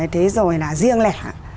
thế rồi là riêng lẻ